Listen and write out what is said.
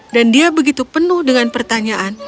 dan dia begitu penuh dengan pertanyaan